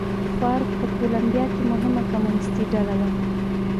فارک په کولمبیا کې مهمه کمونېستي ډله وه.